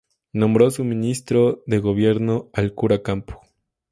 Nombró su ministro de gobierno al cura Campo.